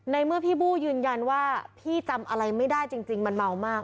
ในเมื่อพี่บู้ยืนยันว่าพี่จำอะไรไม่ได้จริงมันเมามาก